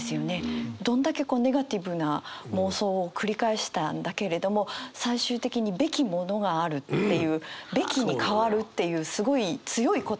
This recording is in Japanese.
どんだけネガティブな妄想を繰り返したんだけれども最終的に「べきものがある」っていう「べき」に変わるっていうすごい強い言葉に変わる。